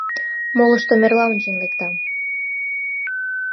Молыштым эрла ончен лектам.